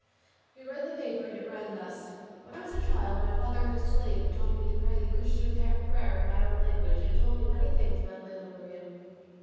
'" We read the paper and it ran thus: "When I was a child my father had a slave who taught me to pray the Christian prayer in my own language, and told me many things about Lela Marien.